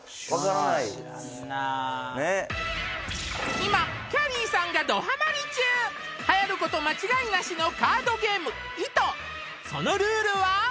今きゃりーさんがはやること間違いなしのカードゲームｉｔｏそのルールは？